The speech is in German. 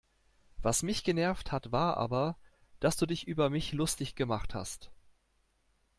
Was mich genervt hat war aber, dass du dich über mich lustig gemacht hast.